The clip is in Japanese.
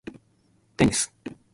テニス